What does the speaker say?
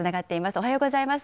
おはようございます。